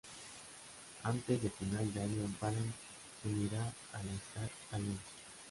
Antes de final de año Varig se unirá a la Star Alliance.